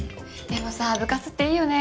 でもさ部活っていいよね。